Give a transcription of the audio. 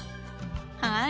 はい。